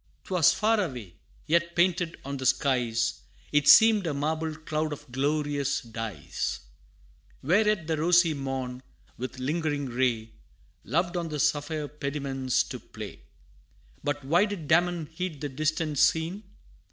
'Twas far away, yet painted on the skies, It seemed a marble cloud of glorious dyes, Where yet the rosy morn, with lingering ray, Loved on the sapphire pediments to play. But why did Damon heed the distant scene?